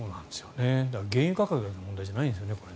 だから、原油価格の問題じゃないんですよね。